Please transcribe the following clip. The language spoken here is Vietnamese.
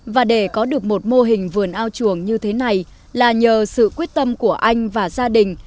và để có được một mô hình vườn ao chuồng như thế này là nhờ sự quyết tâm của anh và gia đình